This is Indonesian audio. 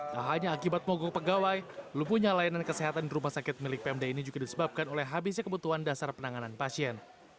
tak hanya akibat mogok pegawai lumpuhnya layanan kesehatan di rumah sakit milik pmd ini juga disebabkan oleh habisnya kebutuhan dasar penanganan pasien